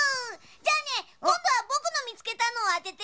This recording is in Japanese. じゃあねこんどはぼくのみつけたのをあてて！